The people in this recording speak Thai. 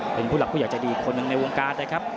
เป็นผู้หลักผู้ใหญ่ใจดีคนหนึ่งในวงการนะครับ